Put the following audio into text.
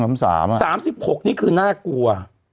๓๖นี่คือน่ากลัว